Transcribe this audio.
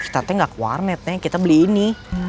state gak ke warnet nih kita beli ini